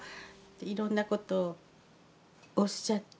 いろんなことをおっしゃって。